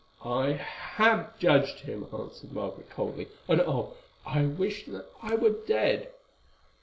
"I have judged him," answered Margaret coldly, "and, oh! I wish that I were dead."